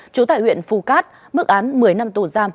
trú tại huyện phù cát mức án một mươi năm tù giam